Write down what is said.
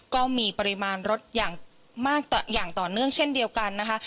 ก็มีปริมาณรถอย่างมากอย่างต่อเนื่องเช่นเดียวกันนะคะ